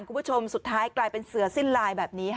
คุณผู้ชมสุดท้ายกลายเป็นเสือสิ้นลายแบบนี้ค่ะ